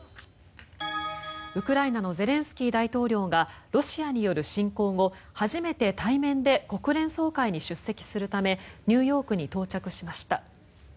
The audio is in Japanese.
ウクライナのゼレンスキー大統領がロシアによる侵攻後初めて対面で国連総会に出席するためニューヨークに到着しました。